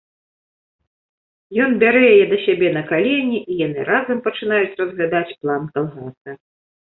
Ён бярэ яе да сябе на калені, і яны разам пачынаюць разглядаць план калгаса.